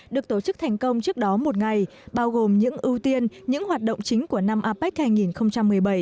được tổ chức thành công trước đó một ngày bao gồm những ưu tiên những hoạt động chính của năm apec hai nghìn một mươi bảy